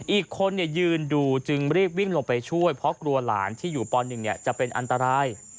อีกคนยืนดูจึงรีบวิ่งลงไปช่วยเพราะกลัวหลานที่อยู่ป๑จะเป็นอันตราย